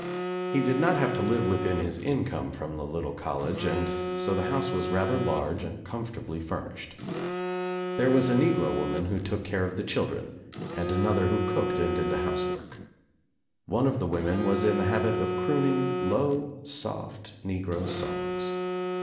He did not have to live within his income from the little college, and BO the house was rather large and comfortably fur nished. There was a negro woman who took care of the children and another who cooked and did the house work. One of the women was in the habit of crooning low soft negro songs.